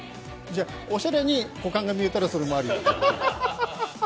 じゃあ、おしゃれに股間が見えたら、それもアリ？